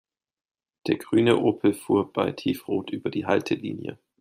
Der grüne Opel fuhr bei Tiefrot über die Haltelinie.